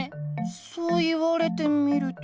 そう言われてみると。